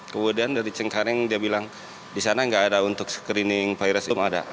kemudian dari cengkareng dia bilang disana gak ada untuk screening virus